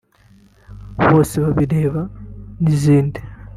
‘‘Bosebabireba’’ n’izindi